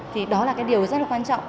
thì đó là cái điều rất là quan trọng